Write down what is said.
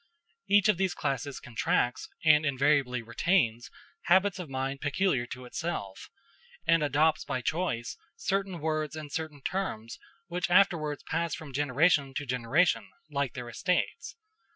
Each of these classes contracts, and invariably retains, habits of mind peculiar to itself, and adopts by choice certain words and certain terms, which afterwards pass from generation to generation, like their estates.